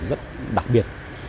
rất đặc biệt